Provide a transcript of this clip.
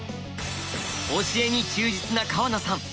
教えに忠実な川名さん。